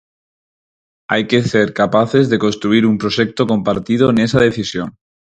Hai que ser capaces de construír un proxecto compartido nesa decisión.